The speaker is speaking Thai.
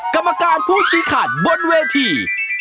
กรรมการผู้ชี้ขาดบนเวที